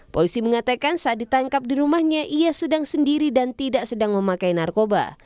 polisi mengatakan saat ditangkap di rumahnya ia sedang sendiri dan tidak sedang memakai narkoba